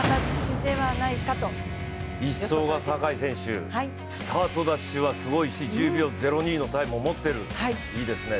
１走が坂井選手、スタートダッシュは１０秒０２のタイムを持ってる、いいですね。